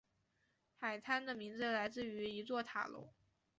海滩的名字来自于一座塔楼。